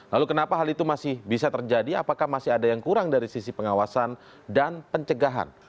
lalu kenapa hal itu masih bisa terjadi apakah masih ada yang kurang dari sisi pengawasan dan pencegahan